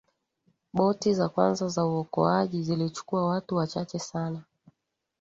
boti za kwanza za uokoaji zilichukua watu wachache sana